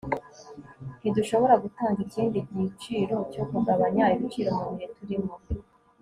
ntidushobora gutanga ikindi giciro cyo kugabanya ibiciro mubihe turimo